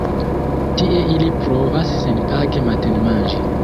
Tie ili provas senpage matenmanĝi.